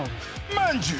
まんじゅう。